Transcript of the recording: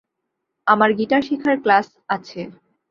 আমার গিটার শেখার ক্লাস আছে।